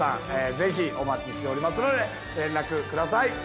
ぜひお待ちしておりますので連絡ください